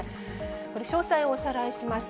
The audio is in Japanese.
これ、詳細をおさらいします。